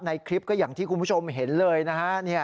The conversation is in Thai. ในคลิปก็อย่างที่คุณผู้ชมเห็นเลยนะฮะ